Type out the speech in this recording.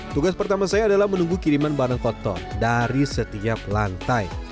tugas pertama saya adalah menunggu kiriman barang kotor dari setiap lantai